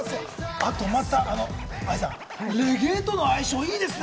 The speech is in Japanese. あと、また、ＡＩさん、レゲエとの相性いいですね